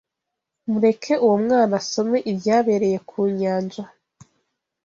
Mureke uwo mwana asome ibyabereye ku nyanja